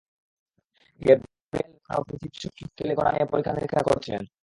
Gabriel Veneziano পৃথিবীর সব শক্তিশালী কণা নিয়ে পরীক্ষা-নিরীক্ষা করছিলেন।